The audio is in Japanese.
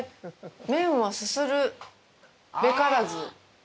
麺はすするべからず。